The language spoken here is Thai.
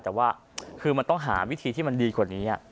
แต่ว่าคือมันต้องหาวิธีที่มันดีกว่านี้